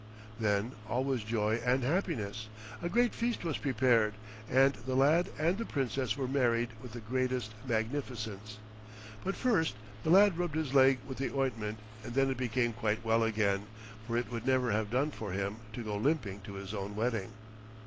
Then all was joy and happiness. A great feast was prepared, and the lad and the Princess were married with the greatest magnificence. But first the lad rubbed his leg with the ointment and then it became quite well again; for it would never have done for him to go limping to his own wedding.